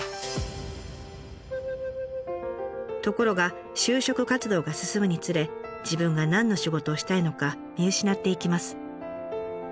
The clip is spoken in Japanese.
ところが就職活動が進むにつれ自分が何の仕事をしたいのか見失っていきます。